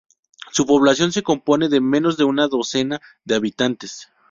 Su población se compone de menos de una docena de habitantes.